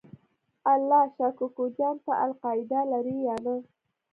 الله شا کوکو جان ته القاعده لرې یا نه؟